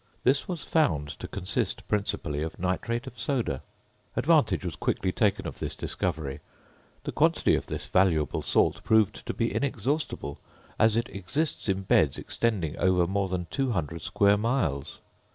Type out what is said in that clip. This was found to consist principally of nitrate of soda. Advantage was quickly taken of this discovery. The quantity of this valuable salt proved to be inexhaustible, as it exists in beds extending over more than 200 square miles.